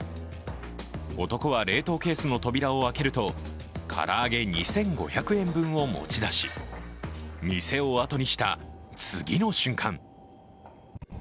男は冷凍ケースの扉を開けると唐揚げ２５００円分を持ち出し店を後にした次の瞬間